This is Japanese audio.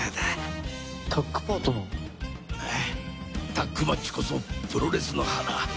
タッグマッチこそプロレスの華。